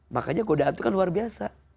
makanya godaan itu kan luar biasa